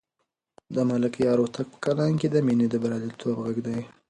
د ملکیار هوتک په کلام کې د مینې د بریالیتوب غږ دی.